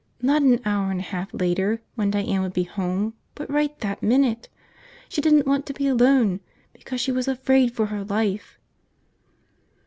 Not an hour and a half later, when Diane would be home, but right that minute! She didn't want to be alone because she was afraid for her life!"